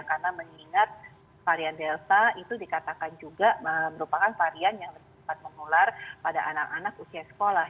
karena mengingat varian delta itu dikatakan juga merupakan varian yang bersempat mengular pada anak anak usia sekolah